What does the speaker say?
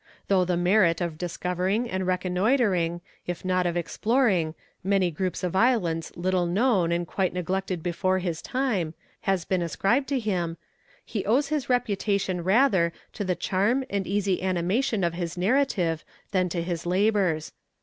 Though the merit of discovering and reconnoitring, if not of exploring, many groups of islands little known and quite neglected before his time, has been ascribed to him, he owes his reputation rather to the charm and easy animation of his narrative, than to his labours.